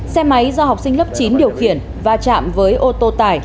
xe máy do học sinh lớp chín điều khiển và chạm với ô tô tải